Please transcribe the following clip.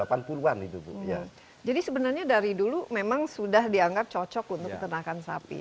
dua ratus an satu ratus delapan puluh an itu ya jadi sebenarnya dari dulu memang sudah diangkat cocok untuk peternakan sapi